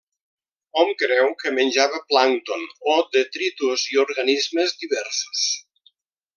Hom creu que menjava plàncton o detritus i organismes diversos.